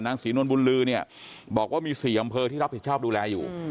นางศรีนวลบุญลื้อบอกว่ามี๔อำเภอที่รับผิดชาติดูแลอยู่